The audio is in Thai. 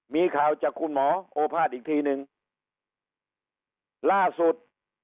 มีข่าวจะกุหมอโอภาษณ์อีกทีนึงล่าสุด